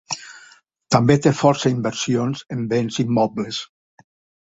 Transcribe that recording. També té força inversions en bens immobles.